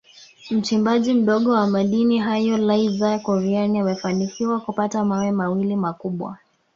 Mchimbaji mdogo wa madini hayo Laizer Kuryani amefanikiwa kupata mawe mawili makubwa